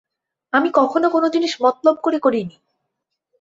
আমি কখনও কোন জিনিষ মতলব করে করিনি।